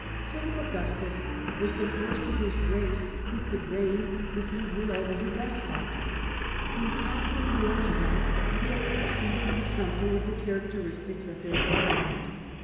Philip Augustus was the first of his race who could reign if he willed as a despot. In conquering the Angevins he had succeeded to something of the characteristics of their government.